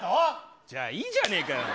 じゃあ、いいじゃねぇかよ。